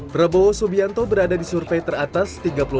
prabowo subianto berada di survei teratas